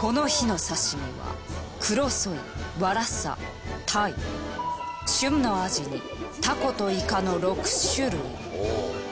この日の刺身はクロソイワラサタイ旬のアジにタコとイカの６種類。